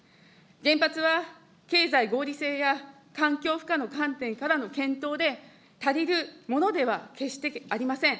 原発は経済合理性や環境負荷の観点からの検討で足りるものでは、決してありません。